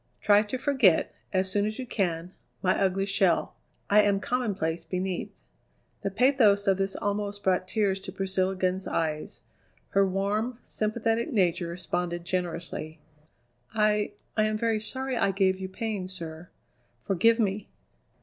Try to forget, as soon as you can, my ugly shell; I am commonplace beneath." The pathos of this almost brought tears to Priscilla Glenn's eyes. Her warm, sympathetic nature responded generously. "I I am very sorry I gave you pain, sir. Forgive me!"